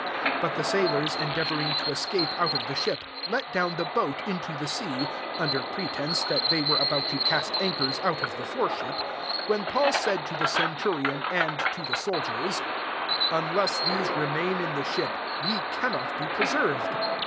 30 But the sailors en deavouring to escape out of the ship, let down the boat into the sea, under pretence that they were about to cast anchors out of the foreship, SI when Paul said to the centurion and to the soldiers, "Unless the^ remain in the ship, ye cannot be preserved.